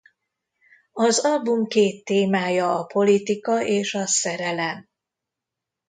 Az album két témája a politika és a szerelem.